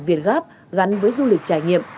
việt gáp gắn với du lịch trải nghiệm